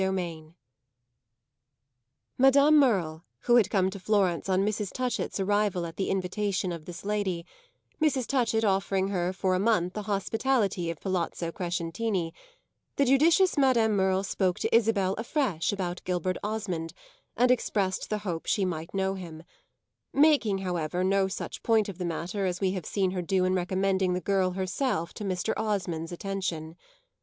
CHAPTER XXIII Madame Merle, who had come to Florence on Mrs. Touchett's arrival at the invitation of this lady Mrs. Touchett offering her for a month the hospitality of Palazzo Crescentini the judicious Madame Merle spoke to Isabel afresh about Gilbert Osmond and expressed the hope she might know him; making, however, no such point of the matter as we have seen her do in recommending the girl herself to Mr. Osmond's attention.